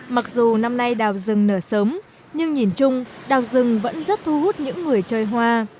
mặc dù năm nay đào rừng nở sớm nhưng nhìn chung đào rừng vẫn rất thu hút những người chơi hoa